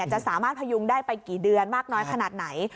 จะสามารถพยุงได้ไปกี่เดือนมากน้อยขนาดไหน